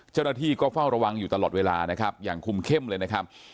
เจ้าหน้าที่ก็เฝ้าระวังอยู่ตลอดเวลานะครับอย่างคุมเข้มเลยนะครับ